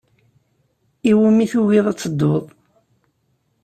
Iwimi tugiḍ ad tedduḍ?